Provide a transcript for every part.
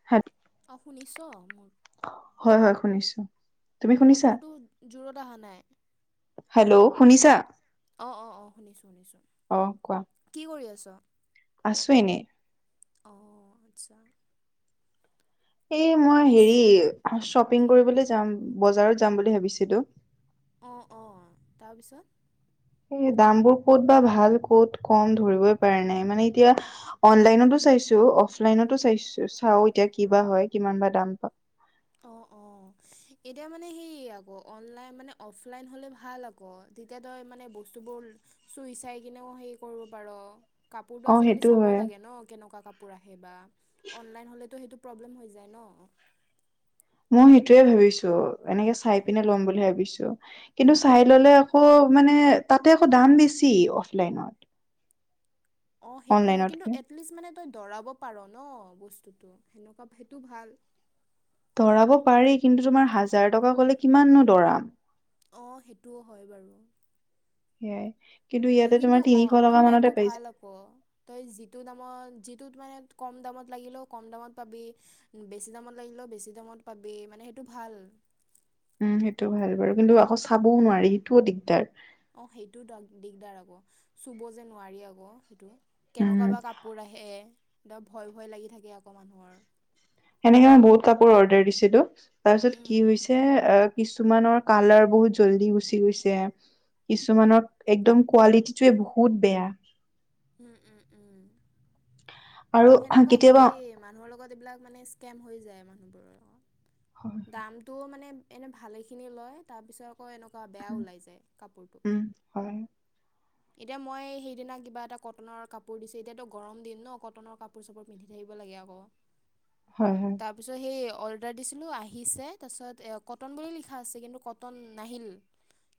[inaudible] অ শুনিছো মোৰ হয় হয় শুনিছো। তুমি অ শুনিছা তোৰটো জোৰত অহা নাই। হেল্ল শুনিছা? অ অ অ শুনিছো শুনিছো। অ কোৱা। কি কৰি আছো? আছো এনে। অ আচ্ছা। এই মই পিছ হেৰি শ্বপিং কি কৰিবলৈ যাম বজাৰত যাম বুলি ভাবিছিলো। অ অ তাৰপিছত এই দাম বোৰ ক'ত বা ভাল, ক'ত কম ধৰিবই পৰা নাই। মানে এতিয়া অনলাইনতো চাইছো, অফলাইনতো চাইছো চাও এতিয়া কিবা হয় কিমান বা দাম পা অ অ এতিয়া মানে হেৰি আকৌ অনলাইন মানে অফলাইন হ'লে ভাল আ তেতিয়া তই মানে বস্তু বোৰ চুই চাই কিনেও হেৰি কৰিব পাৰো। কাপোৰটো অ আজিকালি সেইটো চাব হয় লাগে ন কেনেকুৱা কাপোৰ আহে বা, অনলাইন হ'লেতো সেইটো প্ৰব্লেম হৈ যায় ন। মই সেইটোৱে ভাবিছো। এনেকে চাই পিনে লম বুলি ভাবিছো। কিন্তু চাই ললে আকৌ মানে তাতে আকৌ দাম বেছি অফলাইনত। অ সেইটো হয়, কিন্তু অনলাইনতকে এটলিষ্ট মানে তই দৰাব পাৰ ন বস্তুতটো সেনেকুৱা সেইটো ভাল। ধৰাব পাৰি, কিন্তু তোমাৰ হাজাৰ টকা কলে কিমাননো দৰাম। অ সেইটোও হয় বাৰু। সেইয়াই। কিন্তু এইটো ইয়াতে তোমাৰ তিনিশ টকা অনলাইনটো মানতে পাই ভাল যায়। আকৌ অ তই যিটো দামত যিটোত মানে কম দামত লাগিলেও কম দামত পাবি বেছি দামত লাগিলেও বেছি দামত পাবি, মানে সেইটো ভাল। উম সেইটো ভাল বাৰু, কিন্তু আকৌ চাবও নোৱাৰি সেইটোও দিগদাৰ। অ সেইটো দিগদাৰ আকৌ চুব যে নোৱাৰি আকৌ সেইটো। কেনেকুৱা উম বা কাপোৰ আহে, ভয় ভয় লাগি থাকে আকৌ মানুহৰ। সেনেকে মই বহুত কাপোৰ অৰ্ডাৰ দিছিলো। তাৰপিছত উম কি হৈছে যে অ কিছুমানৰ কালাৰ বহুত জল্দি গুচি গৈছে, কিছুমানৰ একদম কোৱালিটিটোৱে বহুত বেয়া। উম উম উম আৰু সেনেকুৱা কেতিয়াবা হয়য়ে মানুহৰ লগত এইবিলাক মানে স্কেম হৈ যায় মানুহ বোৰৰ। দামটো মানে এনে ভালেখিনি লয়, তাৰপিছত আকৌ এনেকুৱা বেয়া ওলাই যায় কাপোৰটো। উম হয়। এতিয়া মই সেইদিনা কিবা এটা কটনৰ কাপোৰ দিছে, এতিয়াতো গৰম দিন ন কটনৰ কাপোৰ কাপোৰ-চাপোৰ পিন্ধি থাকিব লাগে আকৌ। হয় হয়। তাৰপিছত সেই অৰ্ডাৰ দিছিলোঁ আহিছে, তাৰপিছত কটন বুলি লিখা আছে কিন্তু কটন নাহিল।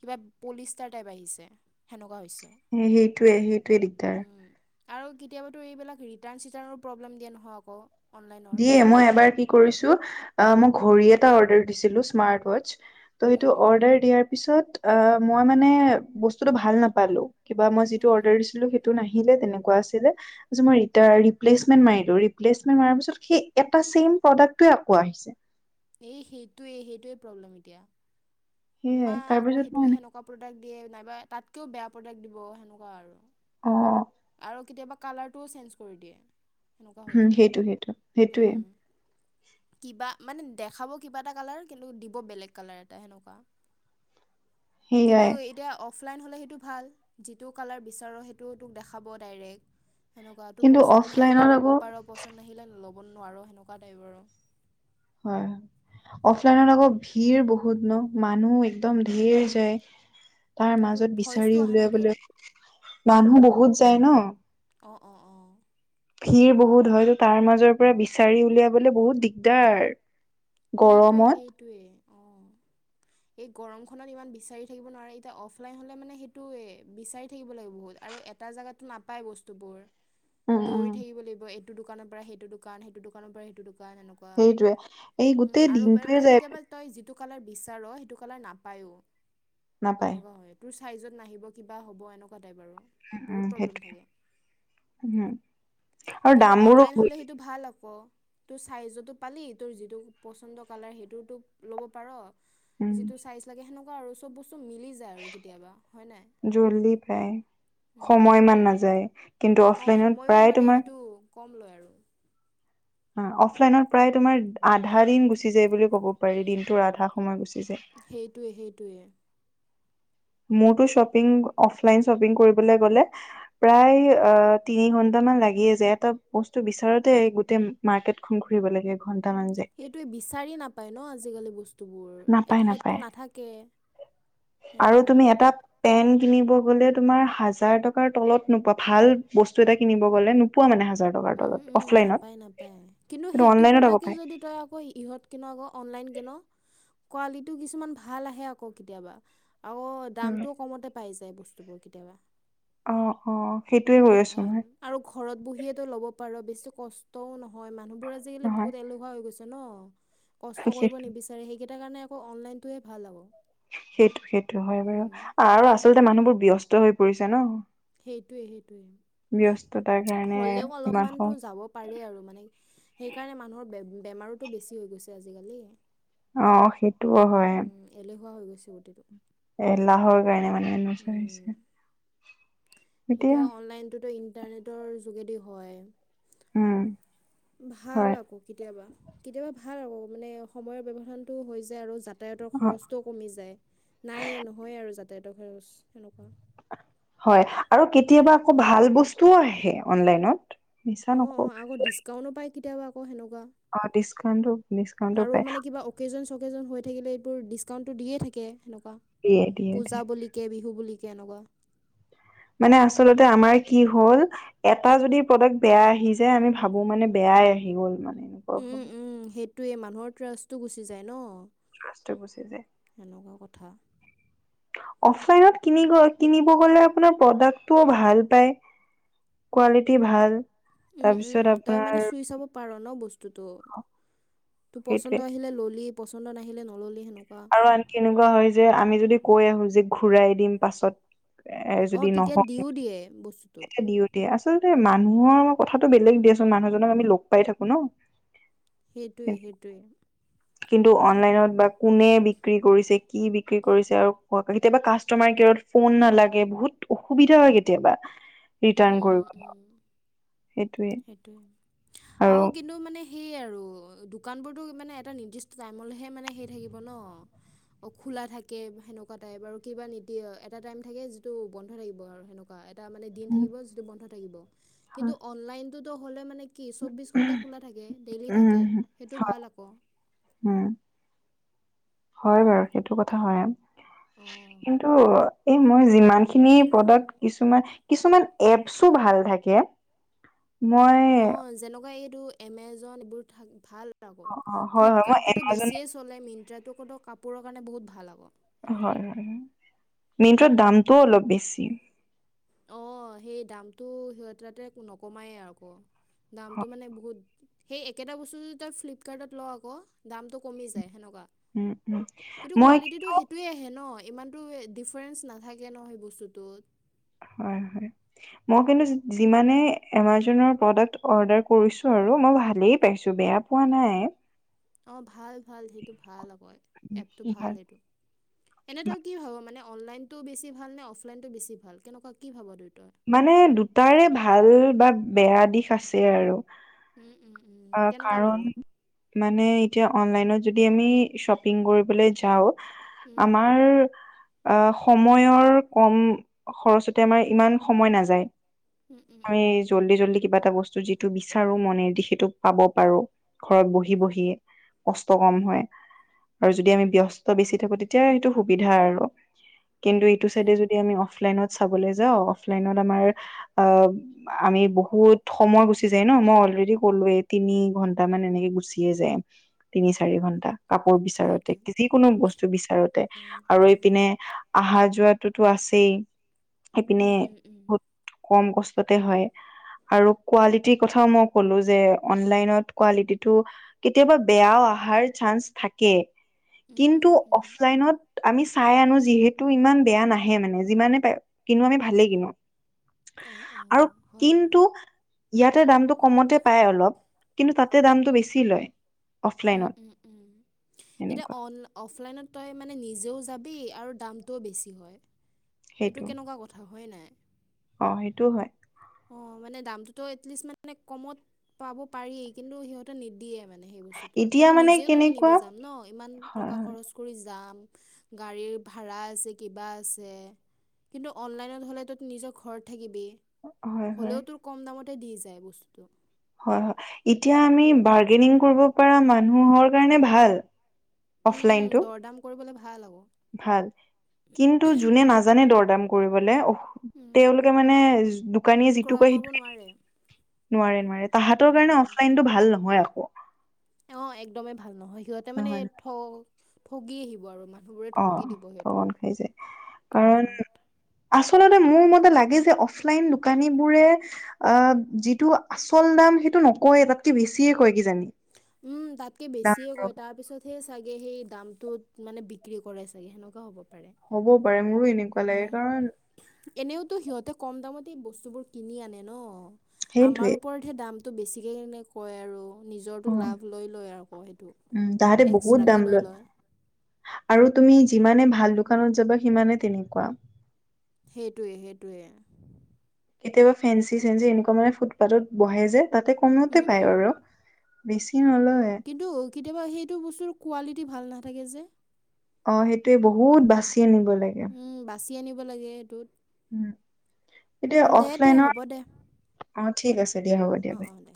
কিবা পলিষ্টাৰ টাইপ আহিছে। কৱা হৈছে। সেইটোৱে সেইটোৱে দিগদাৰ উম। আৰু কেতিয়াবাতো এইবিলাক ৰিটাৰ্ণ চিটাৰ্ণৰ প্ৰব্লেম দিয়ে নহয় আকৌ অনলাইনত দিয়ে মই এবাৰ কি কৰিছো মোৰ ঘড়ী এটা অৰ্ডাৰ দিছিলো স্মাৰ্ট ৱাছ ত' সেইটো উম, অৰ্ডাৰ দিয়াৰ পিছত মই মানে বস্তুটো ভাল নাপালো কিবা মই উম, যিটো উম। অৰ্ডাৰ দিছিলো সেইটো টো নাহিলে যেনেকুৱা আছিলে পিছত মই ৰীতা ৰিপ্লেছমেন্ট মাৰিলো ৰিপ্লেছমেন্ট মাৰা পিছত সেই এটা ছেম প্ৰডাক্টটোৱে আকৌ আহিছে এই সেইটোৱেই সেইটোৱে প্ৰব্লেম এতিয়া সেয়াই এমান আকৌ তাৰপিছত মই সেইটোৱে এনে সেনেকুৱা প্ৰডাক্ট দিয়ে নাইবা তাতকেও বেয়া প্ৰডাক্ট দিব সেনেকুৱা আৰু অ আৰু কেতিয়াবা কালাৰটোও চেঞ্জ কৰি দিয়ে সেনেকুৱা হৈ উম যায় সেইটো সেইটো সেইটোৱে উম কিবা মানে দেখাব কিবা এটা কালাৰ কিন্তু দিব বেলেগ কালাৰ এটা সেনেকুৱা কিন্তু সেইয়াই এতিয়া অফলাইন হ'লে সেইটো ভাল যিটো কালাৰ বিচাৰ সেইটো তোক দেখাব ডাইৰেক্ট সেনেকুৱা তোৰ কিন্তু পচন আহিলে অফলাইনত ল'ব আকৌ পাৰ পচন নাহিলে ল'ব নোৱাৰো সেনেকুৱা টাইপ আৰু হয় অফলাইনত আকৌ ভিৰ বহুত ন মানুহ একদম ঢেৰ যায় তাৰ আৰু তোৰ মাজত ভইচটো বিচাৰি অহা নাই তোৰ উলিয়াবলৈ মানুহ বহুত যায় ন অ অ অ ভিৰ বহুত হয়ত তাৰ মাজৰ পৰা বিচাৰি উলিয়াবলে বহুত দিগদাৰ সেইটোৱে গৰমত সেইটোৱে অ এই গৰমখনত ইমান বিচাৰি থাকিব নোৱাৰে এতিয়া অফলাইন হলে মানে সেইটো বিচাৰি থাকিব লাগে বহুত আৰু এটা জেগাতো নাপায় বস্তুবোৰ উম উম দৌৰি থাকিব লাগিব এইটো দোকানৰ পৰা সেইটো দোকান সেইটো দোকানৰ পৰা সেইটো দোকান এনেকুৱা সেইটোয়ে এই উম, গোটেই আৰু দিনটোয়ে মানে যায় কেতিয়াবা তই যিটো কালাৰ বিচাৰ সেইটো কালাৰ নাপায়ও নাপায় সেনেকুৱা হয় তোৰ চাইজত নাহিব কিবা হ'ব এনেকুৱা টাইপ আৰু উম উম বহুত প্ৰব্লেম সেইটোৱে থাকে উম আৰু কিন্তু দামবোৰো অনলাইন হলে বহুত সেইটো ভাল আকৌ তোৰ চাইজতো পালি তোৰ যিটো পচন্দ কালাৰ সেইটোও তোক ল'ব পাৰ উম যিটো চাইজ লাগে সেনেকুৱা আৰু চব বস্তু মিলি যায় কেতিয়াবা আৰু হয় নে নাই জল্দি পায় সময় ইমান নাযায় কিন্তু উম অ অফলাইনত সময়ো প্ৰায় মানে তোমাৰ সেইটো কম লয় আৰু অ অফলাইনত প্ৰায় তোমাৰ আধা দিন গুচি যায় বুলি ক'ব পাৰি দিনটোৰ আধা সময় গুচি যায় সেইটোৱে সেইটোৱে মোৰতো শ্বপিং অফলাইন শ্বপিং কৰিবলৈ গ'লে প্ৰায় অ তিনি ঘন্ট মান লাগিয়ে যে এটা বস্তু বিচাৰোতে গোটেই মাৰ্কেট খন ঘুৰিব লাগে এঘণ্টা মান যায় এইটোৱে বিচাৰি নাপায় ন আজিকালি বস্তু বোৰ নাপায় এঠাইততো নাপায় নাথাকে আৰু সেনেকুৱা তুমি এটা কথা পেন কিনিব গলে তুমাৰ হাজাৰ টকাৰ তলত নোপোৱা ভাল বস্তু এটা কিনিব গলে পোৱা মানে হাজাৰ টকাত উম উম নাপায় নাপায় কিন্তু সেইটো অনলাইনত আকৌ প্ৰডাক্টে পায় যদি তই অই ইহত কিনো আকৌ অনলাইন কিন কোৱালিটিও কিছুমান ভাল আহে আকৌ কেতিয়াবা আৰু দামটোও কমতে পাই যায় বস্তুবোৰ কেতিয়াবা অ অ সেইটোয়ে কৈ সেইটো আছো ভাল মই আৰু ঘৰত বহিয়েতো ল'ব পাৰ বেছি কষ্টও নহয় মানুহবোৰ আজিকালি নহয় বহুত এলেহু ৱা হৈ গৈছে ন কষ্ট কৰিব সেইটো নিবিচাৰে সেইকেইটাৰ কাৰনে আকৌ অনলাইনটো এ ভাল আকৌ সেইটো সেইটো হয় বাৰু উম আৰু আচলতে মানুহবোৰ ব্যস্ত হৈ পৰিছে ন সেইটোয়ে সেইটোয়ে ব্যস্ততাৰ কাৰণে হ'লেও ইমান অলপমানতো সম যাব পাৰে আৰু মানে, সেইকাৰণে মানুহৰ বে-বেমাৰোতো বেছি হৈ গৈছে আজিকালি। অ সেইটোও হয়। উম, এলেহুৱা হৈ গৈছে গোটেইটো। এলাহোৰ কাৰণে মানে এনেকুৱা হৈছে উম এতিয়া অনলাইনতো ইণ্টাৰনেটৰ যোগেদি হয় উম। ভাল হয় আকৌ কেতিয়াবা, কেতিয়াবা ভাল আকৌ, মানে সময়ৰ ব্যবধানতটো হৈ যায় আৰু যাত যাতায়তৰ অ খৰচটো কমি যায়, নাই নহয় আৰু যাতায়তৰ খৰচ সেনেকুৱা। হয় আৰু কেতিয়াবা আকৌ ভাল বস্তুও আহে অনলাইনত মিছা নক ডিচকাউণ্টো পায় কেতিয়াবা আকৌ সেনেকুৱা। অ ডিছকাউণ্ট ডিছকাউণ্ট পায়। অকেজন-ছকেজন হৈ থাকিলে এইবোৰ ডিছকাউণ্টটো দিয়েই থাকে সেনেকুৱা, দিয়ে দিয়ে পূজা দিয়ে বুলি কে বিহু বুলি কে এনেকুৱা। মানে আচলতে আমাৰ কি হ'ল এটা যদি প্ৰডাক্ট বেয়া আহি যায় আমি ভাবো মানে বেয়াই আহি গ'ল মানে। উম, ভাবো, উম সেইটোৱে মানুহৰ ট্ৰাছটো গুচি যায় ন। ট্ৰাছটো গুচি যায়। এনেকুৱা কথা। অফলাইনত কিনি কিনিব গ'লে আপোনাৰ প্ৰডাক্টটোও ভাল পায়। কোৱালিটি ভাল। উম উম তাৰপিছত তই আপোনাৰ মানে চুই চাব পাৰো ন বস্তুটো, তোৰ সেইটোৱে পচন্দ আহিলে ললি পচন্দ নাহিলে নল'লে সেনেকুৱা। আৰু আনকি এনেকুৱা হয় যে আমি যদি কৈ আহো যে ঘূৰাই দিম পাছত এ অ তেতিয়া দিও দিয়ে বস্তু দিওঁ দিয়ে। আচলতে মানুহৰ আমাৰ কথাটো বেলেগ দিয়াচোন মানুহজনক আমি লগ পাই থাকো ন। সেইটোৱে সেইটোৱে। কিন্তু অনলাইনত বা কোনে বিক্ৰী কৰিছে, কি বিক্ৰী কৰিছে, আৰু কেতিয়াবা কাষ্টমাৰ কেয়াৰত ফোন নালাগে, বহুত অসুবিধা হয় কেতিয়াবা। উম, ৰিটাৰণ উম, কৰিবলে উম। সেইটোৱে। সেইটোৱে আৰু কি কিন্তু মানে সেইয়ে আৰু দোকানবোৰতটো মানে এটা নিৰ্দিষ্ট টাইমলৈহে মানে সেই থাকিব ন। অ খোলা থাকে, সেনেকুৱা টাইপ আৰু কিবা নিতি এটা টাইম থাকে যিটো বন্ধ থাকিব আৰু সেনেকুৱা এটা মনে দিন উম থাকিব যিটো বন্ধ থাকিব। হয় কিন্তু অনলাইনটো হ'লে মানে কি চৌব্বিছ ঘণ্টা খোলা থাকে, ডেইলি থাকে, উম সেইটো হয় ভাল আকৌ। উম। হয় বাৰু সেইটো কথা হয়। কিন্তু এই মই যিমান খিনি প্ৰডাক কিছুমান, কিছুমান এপচু ভাল থাকে। মই অ যেনেকুৱা এইটো এমেজন এইবোৰ থ ভাল আকৌ, অ হয় হয় মই ফ্লিপকাৰ্টতটোতো এমাজন বেছিয়ে চলে মিট্ৰাটো কোত কাপোৰৰ কাৰণে বহুত ভাল আকৌ। এনেকুৱা হয় হয় মিনট্ৰাত দামটোও অলপ বেছি। অ সেই দামটো সিহঁততে নকমায়েই আকৌ। দামটো মানে বহুত সেই একেটা বস্তু যদি তই ফ্লিপকাৰ্টত ল আকৌ দামটো কমি যায় সেনেকুৱা। উম উম মই কিন্তু সেইটোৱে আহে ন ইমানতটো ডিফাৰেঞ্চ নাথাকে ন সেই বস্তুটোত। হয় হয়। মই কিন্তু যিমানে এমাজনৰ প্ৰডাক্ট অৰ্ডাৰ কৰিছো আৰু মই ভালেই পাইছোঁ বেয়া পোৱা নাই। অ', ভাল, ভাল। সেইটো ভাল আকৌ, এপটো ভাল এইটো। এনে তই ভাল। কি ভাব মানে, অনলাইনটো বেছি ভাল নে অফলাইনটো বেছি ভাল, কেনেকুৱা কি ভাব দুয়োটাৰ? মানে দুটাৰে ভাল বা বেয়া দিশ আছে আৰু। উম, উম, উম। অ', কেনেকুৱা কাৰণ বাৰু মানে এতিয়া অনলাইনত যদি আমি শ্বপিং কৰিবলৈ যাওঁ উম আমাৰ আহ সময়ৰ কম খৰচতে, আমাৰ ইমান সময় নাযায়। উম উম আমি উম জল্দি জল্দি কিবা এটা বস্তু যিটো বিচাৰো মনে দি, সেইটো পাব পাৰো। ঘৰত বহি বহিয়ে, কষ্ট কম হয়। আৰু যদি আমি ব্যস্ত বেছি থাকো, তেতিয়া সেইটো সুবিধা আৰু কিন্তু ইতো সেই চাইডে যদি আমি অফলাইনত চাবলৈ যাওঁ, অফলাইনত আমাৰ অ', আমি বহুত সময় গুচি যায় নহ, মই অলৰেডি কলোয়ে। তিনি ঘন্টা মান এনেকে গুচিয়ে যায়, তিনি চাৰি ঘন্টা। কাপোৰ বিচাৰোতে, সেইটোৱে যিকোনো বস্তু বিচাৰোতে উম আৰু উম এইপিনে আহা যোৱাটোতো আছেই, সেইপিনে উম উম কম কষ্টতে হয়, আৰু কোৱালিটিৰ কথাও মই ক'লো যে অনলাইনত কোৱালিটিটো, কেতিয়াবা বেয়াও আহাৰ চান্স থাকে। উম কিন্তু উম উম অফলাইনত আমি চাই আনো যিহেতু ইমান বেয়া নাহে মানে, যিমানে পা কিনো আমি ভালেই কিনো। অ', অ', আৰু হয় বাৰু। কিন্তু, ইয়াতে দামটো কমতে পাই অলপ। কিন্তু তাতে দামটো বেছি লয়। উম, অফলাইনত উম, উম, এতিয়া এনেকুৱা অল অফলাইনত তই মানে নিজেও যাবি, আৰু দামটোও বেছি হয়। সেইটো কেনেকুৱা কথা হয় নাই? অ', সেইটোও হয়। অ', মানে দামটোতো এটলিষ্ট মানে কমত পাব পাৰি, কিন্তু সিহঁতে নিদিয়ে মানে সেই বস্তুতটো। এতিয়া মানে, নিজেওতো কিনিব কেনেকুৱা যাম নহ, ইমান হয় টকা হয় খৰচ কৰি যাম, গাড়ীৰ ভাড়া আছে, কিবা আছে। কিন্তু অনলাইনত হ'লে তই তো নিজৰ ঘৰত থাকিবি, হয় হ'লেও তোৰ কম দামতে দি যায় বস্তুটো। হয়, হয়, এতিয়া আমি উম, বাৰ্গেনিং কৰিব পাৰা মানুহৰ কাৰণে ভাল। উম, উম, অফলাইনটো দৰ দাম কৰিবলে ভাল হব। ভাল, কিন্তু যোনে নাজানে দৰদাম কৰিবলে উম, তেওঁলোকে মানে, দোকানীয়ে ক্ৰয় যিটো কয় কৰিব সেইটোকে দি নোৱাৰে। দিয়ে। নোৱাৰে, নোৱাৰে, তাহাঁতৰ উম কাৰণে উম অফলাইনটো ভাল নহয় আকৌ। অ', একদমেই ভাল নহয়, সিহঁতে মানে নহয় ঠ ঠগি আহিব আৰু [unintelligible] নহয় অ ঠগি দিব সিহঁতক। ঠগন খাই যায় কাৰণ [unintelligible] আচলতে মোৰ মতে লাগে যে, অফলাইন দোকানীবোৰে অ', যিটো আচল দাম সেইটো নকয় তাতকে বেছিয়ে কয় কিজানি। উম, তাতকে দাম বেছিয়ে দৰ কয়, তাৰ পিছতহে চাগে সেই দামটোত মানে বি বিক্ৰী কৰে চাগে, সেনেকুৱা হ'ব পাৰে। হ'ব পাৰে, মোৰো এনেকুৱা লাগে উম। কাৰণ এনেওতো সিহঁতে কম দামতে বস্তুবোৰ কিনি আনে নহ, সেইটোৱে আমাৰ ওপৰত দামটো বেছিকে কেনে কয় আৰু। অ নিজৰটো লাভ লৈ লয় আকৌ সেইটো, উম তাহাঁতে বহুত দাম এক্সট্ৰাকে লৈ লয়। আৰু তুমি যিমানে ভাল দোকানত যাবা সিমানে তেনেকুৱা। সেইটোৱে, সেইটোৱে। কেতিয়াবা ফেঞ্চি-চেঞ্চি এনেকুৱা মানে ফুটপাতত বহে যে তাতে কমোতে উম পায় উম আৰু, বেছি নলয়। কিন্তু কেতিয়াবা সেইটো বস্তুৰ কোৱালিটি ভাল নাথাকে যে। অ' সেইটোৱে বহুত বাচি আনিব লাগে। উম, বাচি আনিব লাগে সেইটোত, উম এতিয়া দে দে অফলাইনৰ হ'ব দে। অ' ঠিক আছে দিয়া, হ'ব দিয়া অঁ বাই। অঁ দে